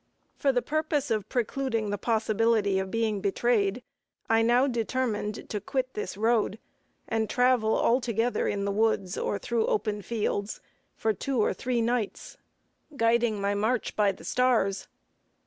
For the purpose of precluding the possibility of being betrayed, I now determined to quit this road, and travel altogether in the woods or through open fields, for two or three nights, guiding my march by the stars.